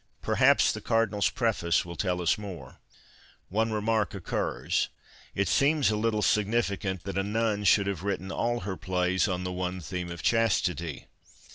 Perhaps the Cardinals preface will tell us more. One remark occurs. It seems a little significant that a nun should have written all her plays on the one theme of chastity.